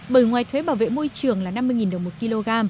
bởi ngoài thuế bảo vệ môi trường là năm mươi đồng một kg